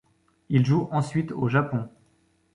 Il joue ensuite au Japon.